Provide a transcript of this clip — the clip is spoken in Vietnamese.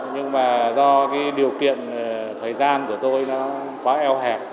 nhưng mà do cái điều kiện thời gian của tôi nó quá eo hẹp